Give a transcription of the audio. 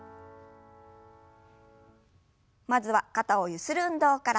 まずは肩をゆする運動から。